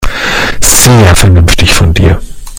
Sehr vernünftig von dir.